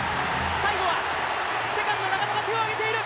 最後はセカンド、中野が手を上げている。